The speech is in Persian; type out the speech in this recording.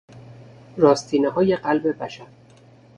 راستینههای قلب بشر